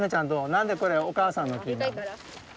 何でこれお母さんの木なの？